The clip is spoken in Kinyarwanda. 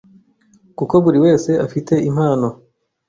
kuko buri wese afite impano